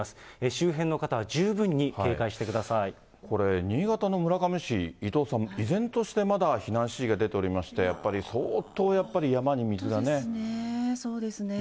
周辺の方は十分に警戒してくださこれ、新潟の村上市、伊藤さん、以前としてまだ避難指示が出ておりまして、やっぱり相当やっぱりそうですね。